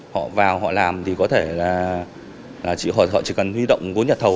họ vào họ làm thì có thể là họ chỉ cần huy động vốn nhà thầu